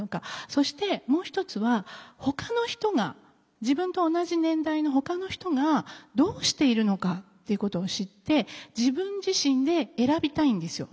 そしてもう一つはほかの人が自分と同じ年代のほかの人がどうしているのかっていうことを知って自分自身で選びたいんですよ。